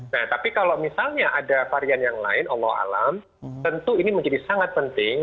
nah tapi kalau misalnya ada varian yang lain allah alam tentu ini menjadi sangat penting